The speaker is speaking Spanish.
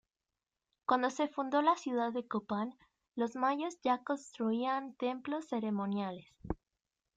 Cuando se fundó la ciudad de Copán, los Mayas ya construían templos ceremoniales.